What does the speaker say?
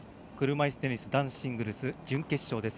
車いすテニス男子シングルス準決勝です。